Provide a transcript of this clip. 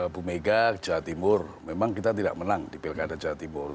bu mega jawa timur memang kita tidak menang di pilkada jawa timur